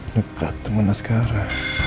dekat teman askara